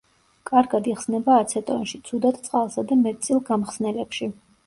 კარგად იხსნება აცეტონში, ცუდად წყალსა და მეტ წილ გამხსნელებში.